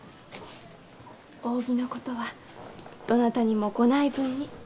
扇のことはどなたにもご内聞に。